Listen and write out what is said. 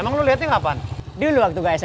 gue ga kenal